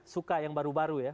suka yang baru baru ya